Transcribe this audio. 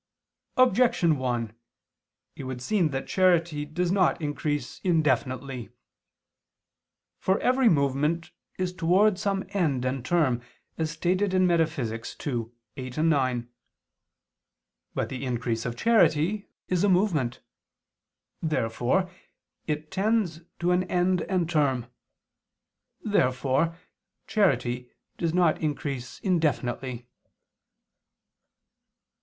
Objection 1: It would seem that charity does not increase indefinitely. For every movement is towards some end and term, as stated in Metaph. ii, text. 8, 9. But the increase of charity is a movement. Therefore it tends to an end and term. Therefore charity does not increase indefinitely.